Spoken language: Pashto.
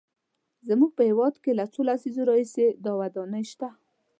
زموږ په هېواد کې له څو لسیزو راهیسې دا ودانۍ شته.